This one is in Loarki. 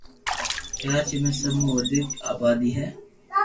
ڪراچي ۾ سب مون وديڪ آبادي ھي